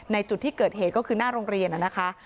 จุดที่เกิดเหตุก็คือหน้าโรงเรียนนะคะ